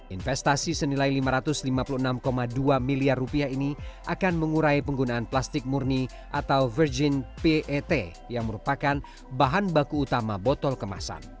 investasi senilai lima ratus lima puluh enam dua miliar ini akan mengurai penggunaan plastik murni atau virgin pet yang merupakan bahan baku utama botol kemasan